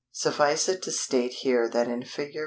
Suffice it to state here that in Fig.